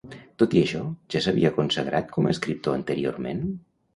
Tot i això, ja s'havia consagrat com a escriptor anteriorment?